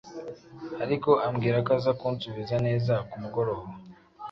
ariko ambwira ko aza kunsubiza neza ku mugoroba.